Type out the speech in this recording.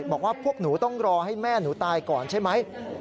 บอกว่าพวกหนูต้องรอให้แม่หนูตายก่อนใช่ไหม